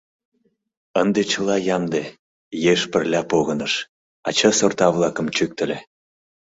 Ынде чыла ямде, еш пырля погыныш, ача сорта-влакым чӱктыльӧ.